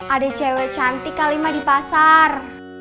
ada cewek cantik kali ma di pasar